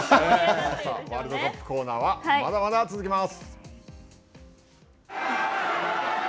ワールドカップコーナーはまだまだ続きます。